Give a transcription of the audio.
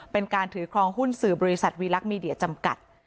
เป็นการถือครองหุ้นสื่อบริษัทวีลักษณ์มีเดียจำกัด